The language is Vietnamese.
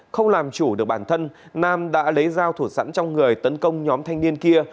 không làm chủ được bản thân nam đã lấy dao thủ sẵn trong người tấn công nhóm thanh niên kia